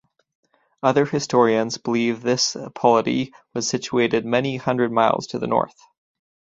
Other historians believe this polity was situated many hundred miles to the north.